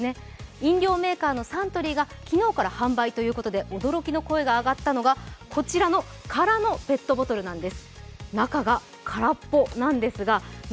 飲料メーカーのサントリーが昨日から発売ということで驚きの声が上がったのが、こちらの空のペットボトルなんです。